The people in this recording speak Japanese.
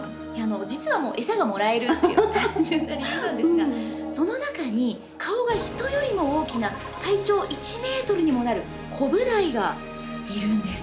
実は餌がもらえるっていう単純な理由なんですがその中に顔が人よりも大きな体長１メートルにもなるコブダイがいるんです。